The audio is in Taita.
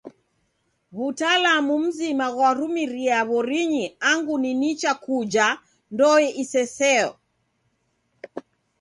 W'utalamu mzima ghwarumirie w'orinyi angu ni nicha kuja ndoe isesoe.